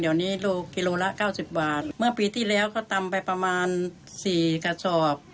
เดี๋ยวนี้ลูกกิโลละเก้าสิบบาทเมื่อปีที่แล้วเขาตำไปประมาณสี่กระจอบ